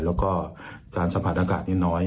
แล้วก็การสัมผัสอากาศนี้น้อย